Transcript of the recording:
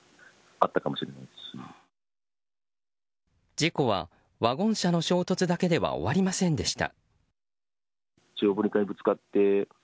事故は、ワゴン車の衝突だけでは終わりませんでした。